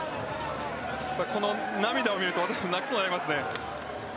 この涙を見ると私も泣きそうになりますね。